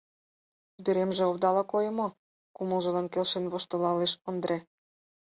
— Ӱдыремже овдала койо мо? — кумылжылан келшен воштылалеш Ондре.